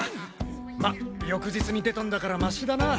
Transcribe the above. まっ翌日に出たんだからマシだな。